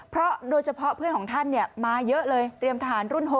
เพราะโดยเฉพาะเพื่อนของท่านมาเยอะเลยเตรียมทหารรุ่น๖